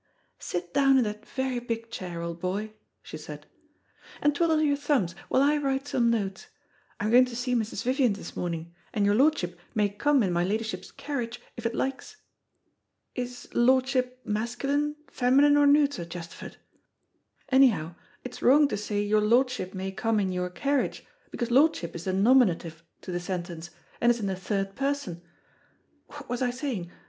"Sit down in that very big chair, old boy," she said, "and twiddle your thumbs while I write some notes. I'm going to see Mrs. Vivian this morning, and your lordship may come in my ladyship's carriage if it likes. Is lordship masculine, feminine, or neuter, Chesterford? Anyhow, it's wrong to say your lordship may come in your carriage, because lordship is the nominative to the sentence, and is in the third person what was I saying?